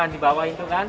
di bawah itu kan